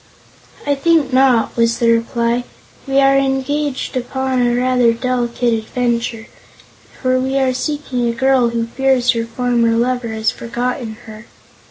"I think not," was the reply. "We are engaged upon a rather delicate adventure, for we are seeking a girl who fears her former lover has forgotten her.